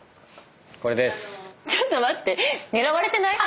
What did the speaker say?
これです。